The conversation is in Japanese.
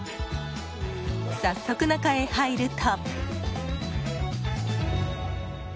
早速、中へ入ると。